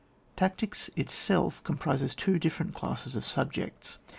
Tactics itself comprises two different classes of subjects.